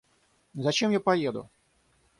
Зачем я поеду?